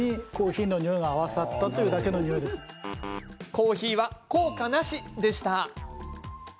コーヒーは効果なしでした。